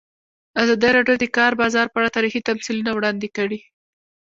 ازادي راډیو د د کار بازار په اړه تاریخي تمثیلونه وړاندې کړي.